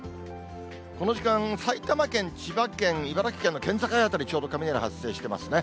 この時間、埼玉県、千葉県、茨城県の県境辺り、ちょうど雷が発生していますね。